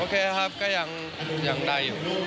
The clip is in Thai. ครับก็ยังได้อยู่